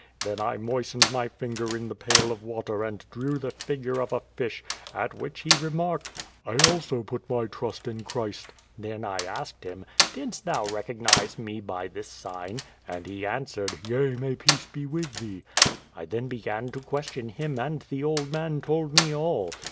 Then I moistened my finger in the pail of water and drew the figure of a fish, at which he remarked: 'I also put my trust in Christ.' Then I asked him: ^Didst thou recognize me by this sign?' and he answered: 'Yea, may peace be with thee.' I then began to question him and the old man told me all.